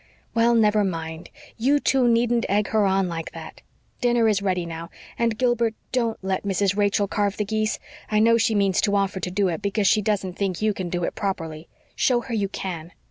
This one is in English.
"Well, never mind. You two needn't egg her on like that. Dinner is ready now, and, Gilbert, DON'T let Mrs. Rachel carve the geese. I know she means to offer to do it because she doesn't think you can do it properly. Show her you can."